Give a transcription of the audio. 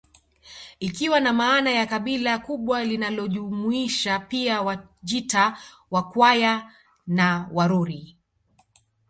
Ikiwa na maana ya kabila kubwa linalojumuisha pia Wajita Wakwaya na Waruri